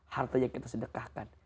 harta yang kita sedekahkan